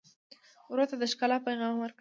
ورور ته د ښکلا پیغام ورکوې.